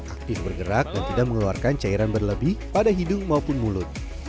aktif bergerak dan tidak mengeluarkan cairan berlebih pada hidung maupun mulut